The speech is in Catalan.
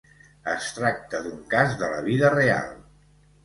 Es tracta d'un cas de la vida real.